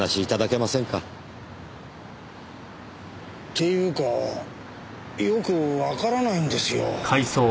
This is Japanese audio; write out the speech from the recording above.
っていうかよくわからないんですよ。